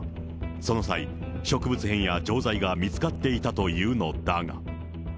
その際、植物片や錠剤が見つかっていたというのだが。